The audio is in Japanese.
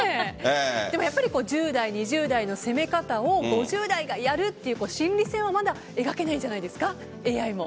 やっぱり１０代、２０代の攻め方を５０代がやるという心理戦はまだ描けないじゃないですかＡＩも。